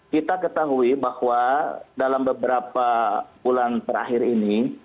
kita ketahui bahwa dalam beberapa bulan terakhir ini